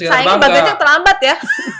sayangnya mbak benci yang terlambat ya